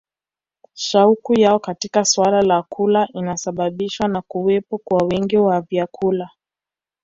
Shauku yao katika suala la kula inasababishwa na kuwepo kwa wingi wa vyakula